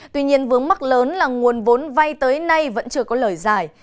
tuy nhiên vướng mắt lớn là nguồn vốn vay tới nay vẫn chưa có lời giải